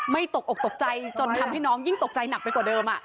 ตกอกตกใจจนทำให้น้องยิ่งตกใจหนักไปกว่าเดิม